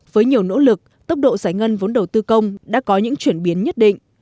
với nhiều nỗ lực tốc độ giải ngân vốn đầu tư công đã có những chuyển biến nhất định